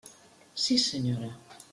Sí, senyora.